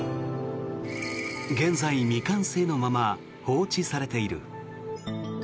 現在未完成のまま放置されている。